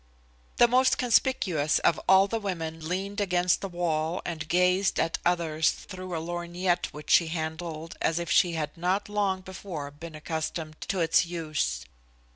The most conspicuous of all the women leaned against the wall and gazed at others through a lorgnette which she handled as if she had not long before been accustomed to its use.